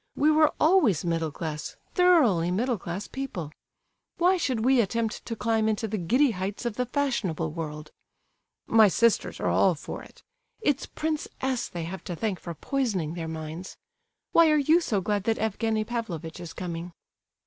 We were always middle class, thoroughly middle class, people. Why should we attempt to climb into the giddy heights of the fashionable world? My sisters are all for it. It's Prince S. they have to thank for poisoning their minds. Why are you so glad that Evgenie Pavlovitch is coming?"